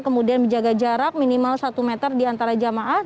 kemudian menjaga jarak minimal satu meter di antara jamaah